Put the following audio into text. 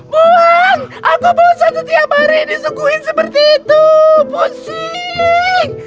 buang aku belum satu tiap hari disuguhin seperti itu pusing